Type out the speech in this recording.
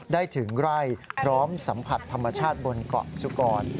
ถึงไร่พร้อมสัมผัสธรรมชาติบนเกาะสุกร